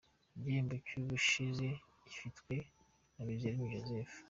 Igihembo cy’ubushize gifitwe na Biziyaremye Joseph.